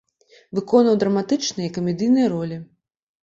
Выконваў драматычныя і камедыйныя ролі.